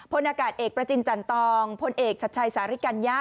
นากาศเอกประจินจันตองพลเอกชัดชัยสาริกัญญะ